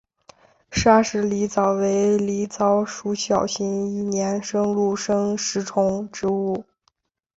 砂石狸藻为狸藻属小型一年生陆生食虫植物。